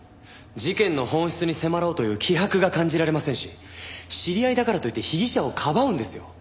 事件の本質に迫ろうという気迫が感じられませんし知り合いだからといって被疑者をかばうんですよ？